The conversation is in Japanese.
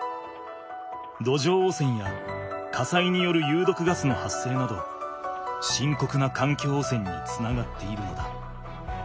土壌汚染や火災によるゆうどくガスの発生などしんこくな環境汚染につながっているのだ。